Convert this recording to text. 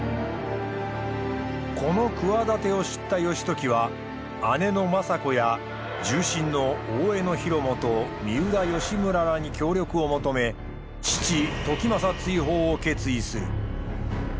この企てを知った義時は姉の政子や重臣の大江広元三浦義村らに協力を求め父時政追放を決意する。